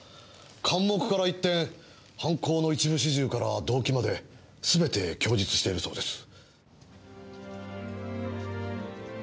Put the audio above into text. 完黙から一転犯行の一部始終から動機まですべて供述しているそうです。